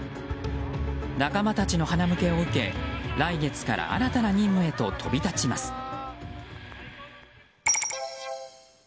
仲間たちのはなむけを受け来月から新たな任務へと飛び立ちます。